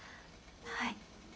はい。